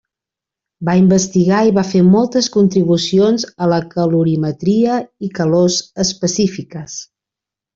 Va investigar i va fer moltes contribucions a la calorimetria i calors específiques.